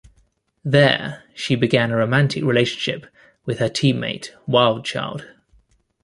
There, she began a romantic relationship with her teammate Wildchild.